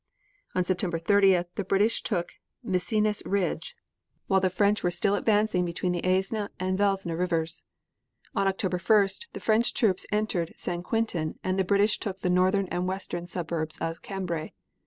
On September 30th, the British took Messines Ridge, while the French were still advancing between the Aisne and Vesle Rivers. On October 1st, the French troops entered St. Quentin and the British took the northern and western suburbs of Cambrai.